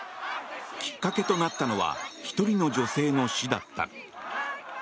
きっかけとなったのは１人の女性の死だった。